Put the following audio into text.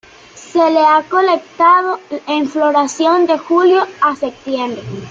Se le ha colectado en floración de julio a septiembre.